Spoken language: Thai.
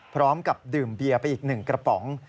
พร้อมกับดื่มเบียร์ไปอีก๑กระป๋อง